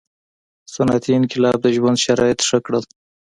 • صنعتي انقلاب د ژوند شرایط ښه کړل.